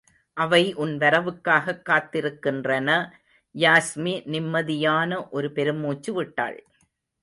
அவை உன் வரவுக்காகக் காத்திருக்கின்றன! யாஸ்மி நிம்மதியான ஒரு பெருமூச்சு விட்டாள்.